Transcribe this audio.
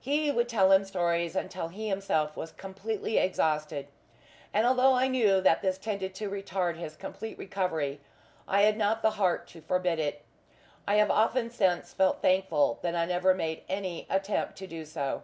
He would tell him stories until he himself was completely exhausted; and although I knew that this tended to retard his complete recovery, I had not the heart to forbid it. I have often since felt thankful that I never made any attempt to do so.